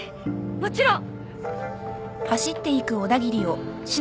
もちろん。